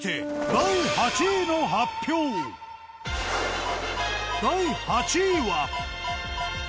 第８位は。